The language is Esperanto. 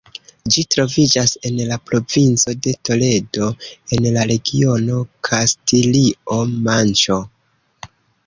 Ĝi troviĝas en la provinco de Toledo, en la regiono Kastilio-Manĉo.